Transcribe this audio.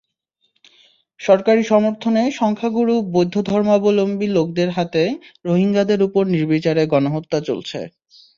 সরকারি সমর্থনে সংখ্যাগুরু বৌদ্ধধর্মাবলম্বী লোকদের হাতে রোহিঙ্গাদের ওপর নির্বিচার গণহত্যা চলছে।